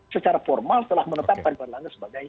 secara formal telah menetapkan pak erlangga sebagai